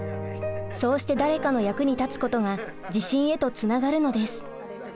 そうして誰かの役に立つことが自信へとつながるのです。